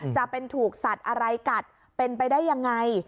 จะเป็นถูกสัตว์อะไรกัดเป็นไปได้ยังไง